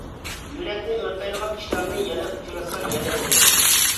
يۈرەكنى ئۆرتەيدىغان ئىشلارنى يەنە ئۇچراتسام يەنە دەيمەن.